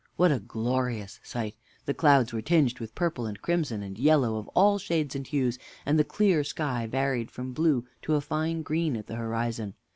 What a glorious sight! The clouds were tinged with purple and crimson and yellow of all shades and hues, and the clear sky varied from blue to a fine green at the horizon.